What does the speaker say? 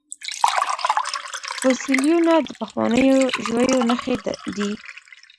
فوسیلیونه د پخوانیو ژویو نښې دي